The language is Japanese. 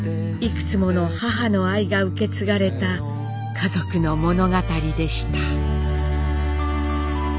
いくつもの母の愛が受け継がれた家族の物語でした。